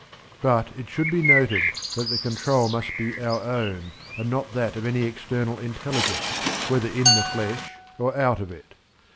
But it should be noted that the control must be our own and not that of any external intelligence whether in the flesh or out of it.